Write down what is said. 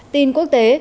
tin quốc tế